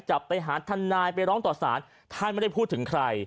จับไปหาทนายไปร้องต่อสารท่านไม่ได้พูดถึงใคร